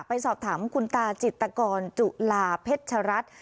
ไปสอบถามคุณตาจิตกรจุลาเพชรัตน์